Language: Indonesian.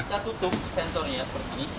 kita tutup sensornya seperti ini